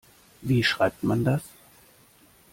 Wie schreibt man das?